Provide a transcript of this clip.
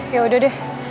ya udah deh